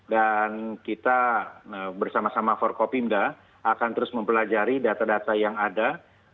dan kita bersama sama forkopimda akan terus mempelajari data data yang ada